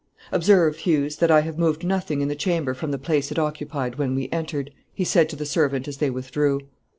"Observe, Hughes, that I have moved nothing in the chamber from the place it occupied when we entered," he said to the servant, as they withdrew.